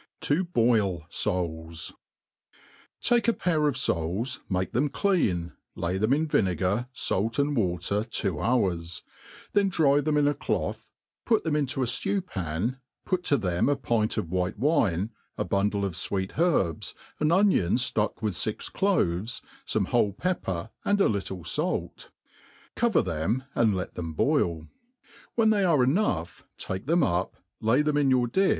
To boil Soals. TAKE a pair of foals, make them clean, lay them in vini? ' gar, fait and water two hours; then dry them in a cloth, put them into a ftew pan, p^t to them a pint of white wine,^ a bun* die of fweet herbs, an oniop ftupk with fix cbves, fome wboje pepper, and a little fait; cover them, ^nd let them boil. When they are enough, uke them up, lay them m your diO?